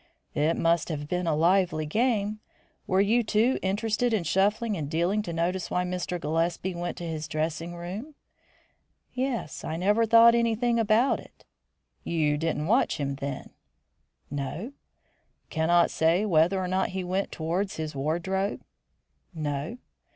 "It must have been a lively game. Were you too interested in shuffling and dealing to notice why Mr. Gillespie went to his dressing room?" "Yes, I never thought anything about it." "You didn't watch him, then?" "No." "Cannot say whether or not he went towards his wardrobe?" "No."